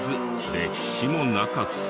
歴史もなかった。